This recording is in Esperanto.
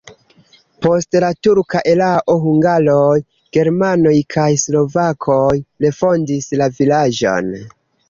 Post la turka erao hungaroj, germanoj kaj slovakoj refondis la vilaĝon.